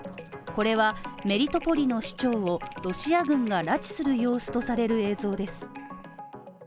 これはメリトポリの市長をロシア軍が拉致する様子とされる映像です。